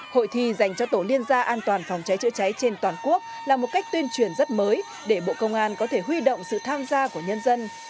hội thi dành cho tổ liên gia an toàn phòng cháy chữa cháy trên toàn quốc là một cách tuyên truyền rất mới để bộ công an có thể huy động sự tham gia của nhân dân